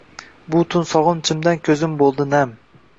Bu tun soginchimdan kuzim buldi nam